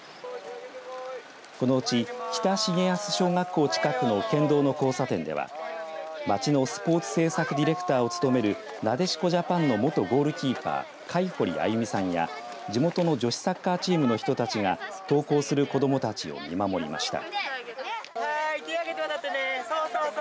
このうち北茂安小学校近くの県道の交差点では町のスポーツ政策ディレクターを務めるなでしこジャパンの元ゴールキーパー海堀あゆみさんや地元の女子サッカーチームの人たちが登校する子どもたちを見守りました。